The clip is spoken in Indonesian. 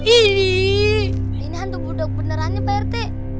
ini hantu budeg benerannya pak rt